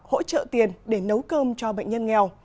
hỗ trợ tiền để nấu cơm cho bệnh nhân nghèo